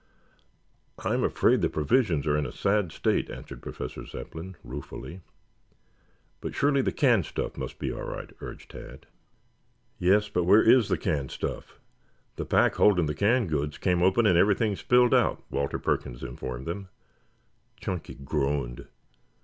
"I am afraid the provisions are in a sad state," answered Professor Zepplin ruefully. "But surely the canned stuff must be all right," urged Tad. "Yes, but where is the canned stuff? The pack holding the canned goods came open and everything spilled out," Walter Perkins informed them. Chunky groaned.